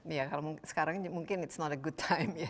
ya kalau sekarang mungkin it's not a good time ya